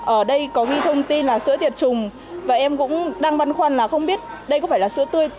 ở đây có cái thông tin là sữa tiệt trùng và em cũng đang băn khoăn là không biết đây có phải là sữa tươi